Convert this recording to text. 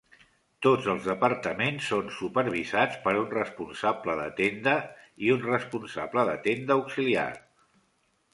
Tots els departaments són supervisats per un Responsable de Tenda i un Responsable de Tenda Auxiliar.